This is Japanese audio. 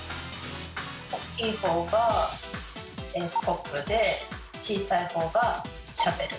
大きい方がスコップで小さい方がシャベル。